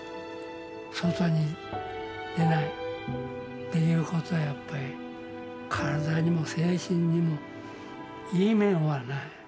外に出ないっていうことはやっぱり体にも精神にもいい面はない。